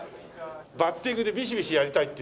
バッティングでビシビシやりたいっていうんで。